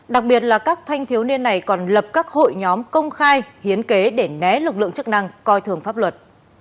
đặc biệt là các thanh thiếu niên này còn lập các hội nhóm công khai hiến kế để né lực lượng chức năng coi thường pháp luật